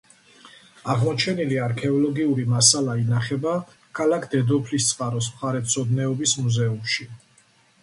აღმოჩენილი არქეოლოგიური მასალა ინახება ქალაქ დედოფლისწყაროს მხარეთმცოდნეობის მუზეუმში.